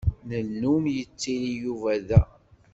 Nennum yettili Yuba da.